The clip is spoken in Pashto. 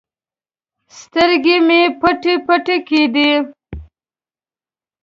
سترګې مې پټې پټې کېدې.